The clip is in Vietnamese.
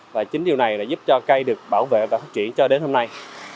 và chính điều này là giúp cho cây được bảo vệ và phát triển cho đến hôm nay